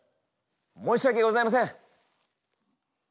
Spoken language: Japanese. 申し訳ございません！